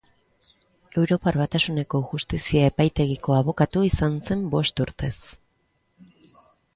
Europar Batasuneko Justizia Epaitegiko abokatu izan zen bost urtez.